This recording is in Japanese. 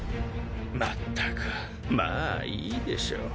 まったくまあいいでしょう。